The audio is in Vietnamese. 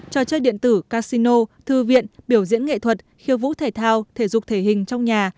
trò chơi điện tử casino thư viện biểu diễn nghệ thuật khiêu vũ thể thao thể dục thể hình trong nhà